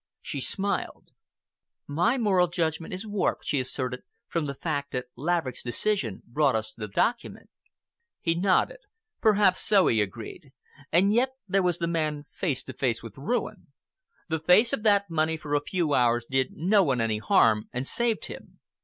She smiled. "My moral judgment is warped," she asserted, "from the fact that Laverick's decision brought us the document." He nodded. "Perhaps so," he agreed, "and yet, there was the man face to face with ruin. The use of that money for a few hours did no one any harm, and saved him.